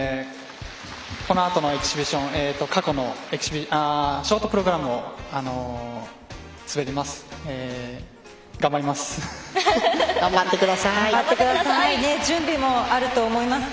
このあとのエキシビション過去のショートプログラムを滑ります。